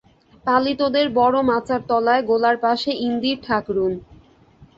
পালিতদের বড় মাচার তলায় গোলার পাশে ইন্দির ঠাকরুন।